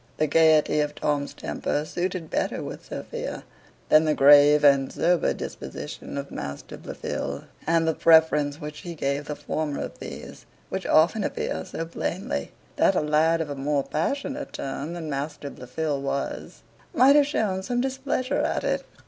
The gaiety of Tom's temper suited better with Sophia, than the grave and sober disposition of Master Blifil. And the preference which she gave the former of these, would often appear so plainly, that a lad of a more passionate turn than Master Blifil was, might have shown some displeasure at it.